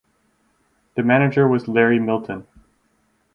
The manager was Larry Milton.